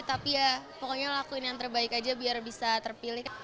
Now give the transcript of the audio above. tapi ya pokoknya lakuin yang terbaik aja biar bisa terpilih